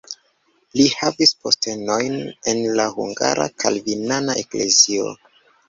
Li havis postenojn en la hungara kalvinana eklezio.